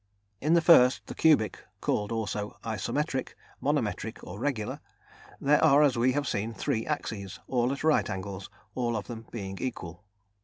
In the first, the cubic called also the isometric, monometric, or regular there are, as we have seen, three axes, all at right angles, all of them being equal.